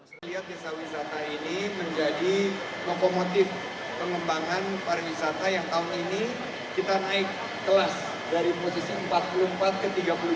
saya lihat desa wisata ini menjadi lokomotif pengembangan pariwisata yang tahun ini kita naik kelas dari posisi empat puluh empat ke tiga puluh dua